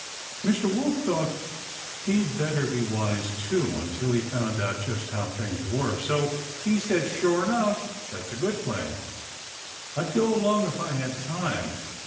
Mr. Wolf thought he'd better be wise, too, until he found out just how things were, so he said: "Sure enough! That's a good plan. I'd go along if I had time.